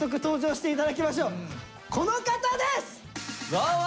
どうも！